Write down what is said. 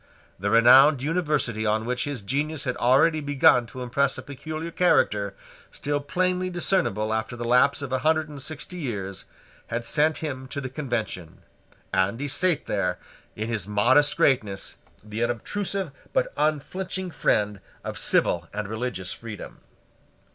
The renowned University on which his genius had already begun to impress a peculiar character, still plainly discernible after the lapse of a hundred and sixty years, had sent him to the Convention; and he sate there, in his modest greatness, the unobtrusive but unflinching friend of civil and religious freedom.